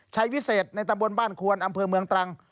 วิเศษในตำบลบ้านควนอำเภอเมืองตรัง